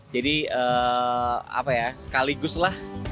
jadi apa ya sekaligus lah